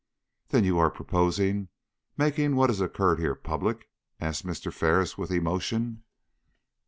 "Then you propose making what has occurred here public?" asked Mr. Ferris, with emotion.